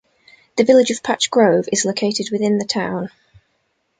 The Village of Patch Grove is located within the town.